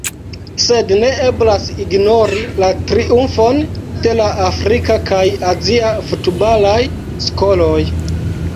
Sed ne eblas ignori la triumfon de la afrika kaj azia futbalaj skoloj.